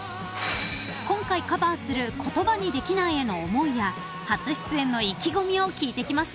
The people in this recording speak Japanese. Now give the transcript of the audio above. ［今回カバーする『言葉にできない』への思いや初出演の意気込みを聞いてきました］